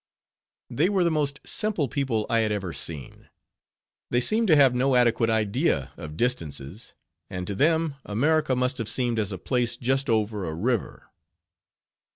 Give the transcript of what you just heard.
They were the most simple people I had ever seen. They seemed to have no adequate idea of distances; and to them, America must have seemed as a place just over a river.